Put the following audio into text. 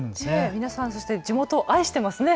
皆さん、地元を愛していますね。